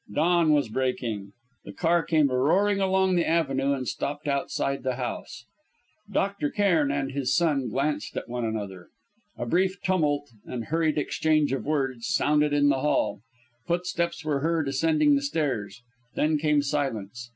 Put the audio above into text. Dawn was breaking. The car came roaring along the avenue and stopped outside the house. Dr. Cairn and his son glanced at one another. A brief tumult and hurried exchange of words sounded in the hall; footsteps were heard ascending the stairs, then came silence.